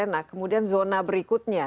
nah kemudian zona berikutnya